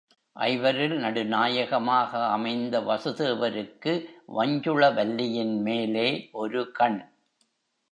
ஐவரில் நடுநாயகமாக அமைந்த வசுதேவருக்கு வஞ்சுள வல்லியின் மேலே ஒரு கண்.